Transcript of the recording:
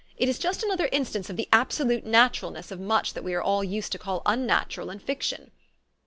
It is just another instance of the absolute naturalness of much that we are all used to call unnatural in fiction."